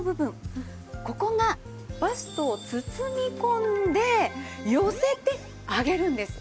ここがバストを包み込んで寄せて上げるんです。